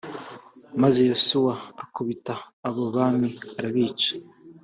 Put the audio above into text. maze yosuwa akubita abo bami arabica